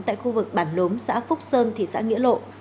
tại khu vực bản lốm xã phúc sơn thị xã nghĩa lộ